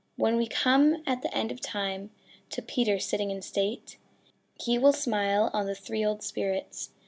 When we come at the end of time, To Peter sitting in state, He will smile on the three old spirits.